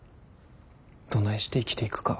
どないして生きていくか。